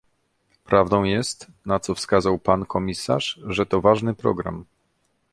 Prawdą jest, na co wskazał pan komisarz, że to ważny program